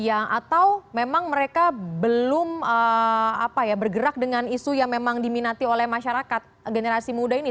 atau memang mereka belum bergerak dengan isu yang memang diminati oleh masyarakat generasi muda ini